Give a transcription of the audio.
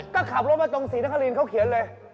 ก็ขับรถมาตรงศรีนครินเขาเขียนเลย